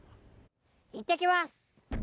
行ってきます！